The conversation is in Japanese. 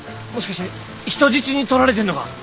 もしかして人質にとられてんのか？